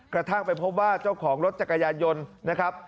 กระทั่งไปพบว่าเจ้าของรถจักรยานยนต์นะครับ